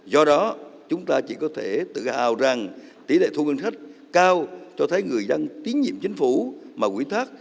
do đó chúng ta chỉ có thể tự hào rằng tỷ lệ thu ngân sách cao cho thấy người dân tiến nhiệm chính phủ mà quỹ thác